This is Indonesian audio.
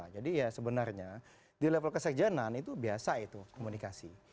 jadi ya sebenarnya di level kesekjenan itu biasa itu komunikasi